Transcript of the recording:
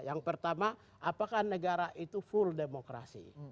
yang pertama apakah negara itu full demokrasi